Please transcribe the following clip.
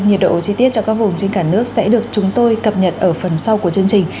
nhiệt độ chi tiết cho các vùng trên cả nước sẽ được chúng tôi cập nhật ở phần sau của chương trình